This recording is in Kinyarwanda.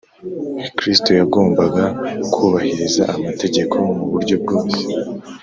, Kristo yagombaga kubahiriza amategeko mu buryo bwose